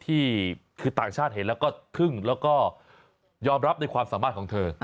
ที่คือต่างชาติเห็นแล้วก็ทึ่งแล้วก็ยอมรับในความสามารถของเธอ